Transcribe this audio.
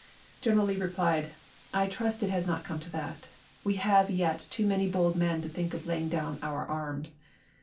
General Lee replied :" I trust it has not come to that. .. We have yet too many bold men to think of laying down our arms."